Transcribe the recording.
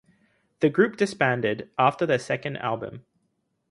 The group disbanded after their second album.